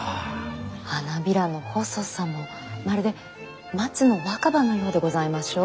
花びらの細さもまるで松の若葉のようでございましょう？